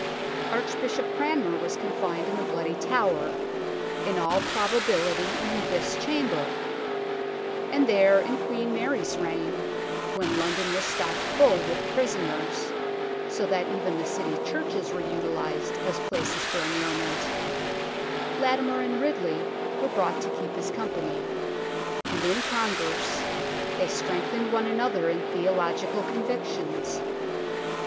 Archbishop Cranmer was confined in the Bloody Tower, in all proba bility in this chamber, and there in Queen Mary's reign, when London was stocked full with prisoners, so that even the City churches were utilized as places for immure ment, Latimer and Ridley were brought to keep his company, and in converse they strengthened one another in theological con victions.